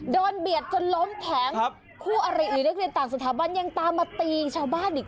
เบียดจนล้มแขนคู่อะไรอีกนักเรียนต่างสถาบันยังตามมาตีชาวบ้านอีก